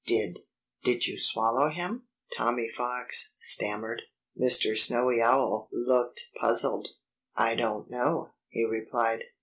"Did did you swallow him?" Tommy Fox stammered. Mr. Snowy Owl looked puzzled. "I don't know," he replied.